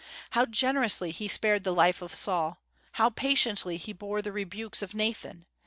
How generously he spared the life of Saul! How patiently he bore the rebukes of Nathan!